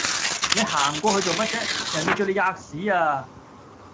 你行過去做咩啫？人地叫你喫屎呀！